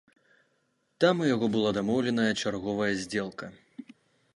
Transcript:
Там у яго была дамоўленая чарговая здзелка.